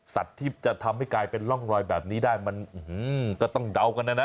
สัตว์ที่จะทำให้กลายเป็นร่องรอยแบบนี้ได้มันก็ต้องเดากันนะนะ